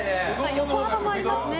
横幅もありますね。